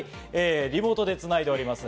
リモートでつないでおります。